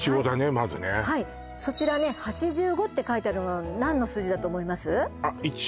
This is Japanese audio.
まずねそちらね８５って書いてあるのは何の数字だと思います？